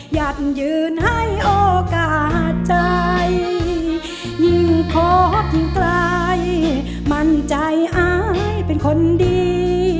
อยากยืนให้โอกาสใจยิ่งขอคนไกลมั่นใจอายเป็นคนดี